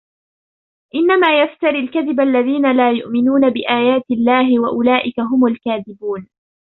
إنما يفتري الكذب الذين لا يؤمنون بآيات الله وأولئك هم الكاذبون